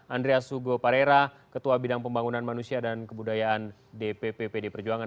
andreas sugo parera ketua bidang pembangunan manusia dan kebudayaan dpp pd perjuangan